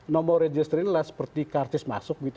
nomor register ini seperti kartis masuk gitu